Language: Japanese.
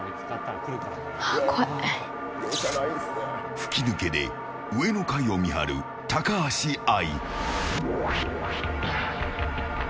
吹き抜けで上の階を見張る高橋愛。